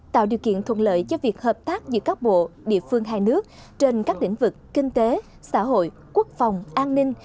tạo điều kiện thuận lợi cho việc hợp tác giữa các bộ địa phương hai nước trên các lĩnh vực kinh tế xã hội quốc phòng an ninh